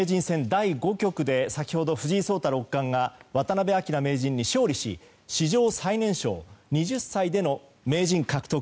第５局で先ほど、藤井聡太六冠が渡辺明名人に勝利し史上最年少２０歳での名人獲得。